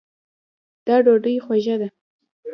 دا ډوډۍ خوږه ده